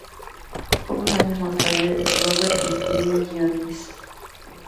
Pocos años más tarde, Robert escribía guiones, dirigía y producía.